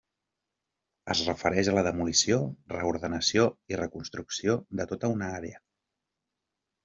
Es refereix a la demolició, reordenació i reconstrucció de tota una àrea.